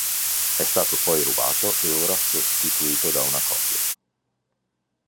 È stato poi rubato e ora è sostituito da una copia.